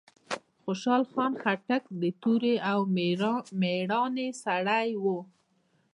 خوشحال خان خټک د توری او ميړانې سړی وه.